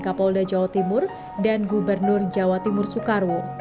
kapolda jawa timur dan gubernur jawa timur soekarwo